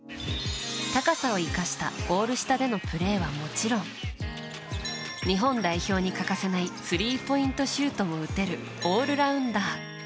高さを生かしたゴール下でのプレーはもちろん日本代表に欠かせないスリーポイントシュートも打てるオールラウンダー。